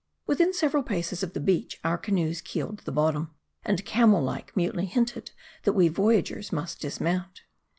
Within several paces of the beach, our canoes keeled the bottom, and camel like mutely hinted that we voyagers must dismount.